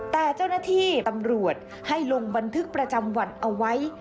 แต่เจ้าหน้าที่ตำรวจให้ลงบันทึกประจำวันเอาไว้